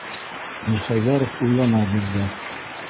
Мирхәйҙәров уйлана бирҙе: